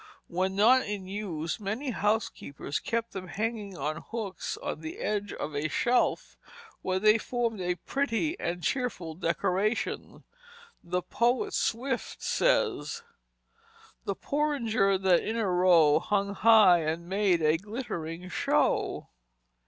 When not in use many housekeepers kept them hanging on hooks on the edge of a shelf, where they formed a pretty and cheerful decoration. The poet Swift says: "The porringers that in a row Hung high and made a glittering show."